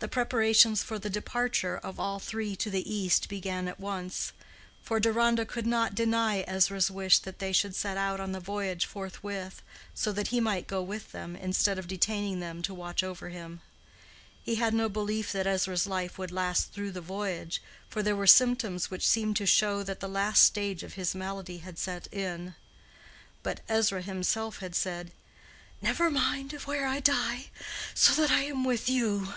The preparations for the departure of all three to the East began at once; for Deronda could not deny Ezra's wish that they should set out on the voyage forthwith, so that he might go with them, instead of detaining them to watch over him. He had no belief that Ezra's life would last through the voyage, for there were symptoms which seemed to show that the last stage of his malady had set in. But Ezra himself had said, "Never mind where I die, so that I am with you."